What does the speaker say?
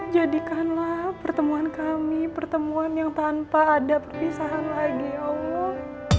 jadikanlah pertemuan kami pertemuan yang tanpa ada perpisahan lagi allah